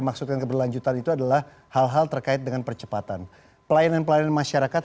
maksudkan keberlanjutan itu adalah hal hal terkait dengan percepatan pelayanan pelayanan masyarakat